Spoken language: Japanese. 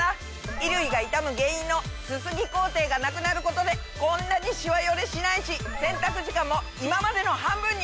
衣類が傷む原因のすすぎ工程がなくなることでこんなにシワヨレしないし洗濯時間も今までの半分に！